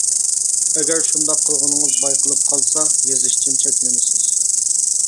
ئەگەر شۇنداق قىلغىنىڭىز بايقىلىپ قالسا، يېزىشتىن چەكلىنىسىز.